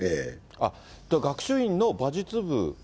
学習院の馬術部？